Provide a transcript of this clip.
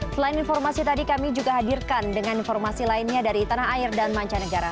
selain informasi tadi kami juga hadirkan dengan informasi lainnya dari tanah air dan mancanegara